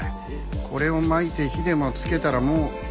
これをまいて火でもつけたらもう。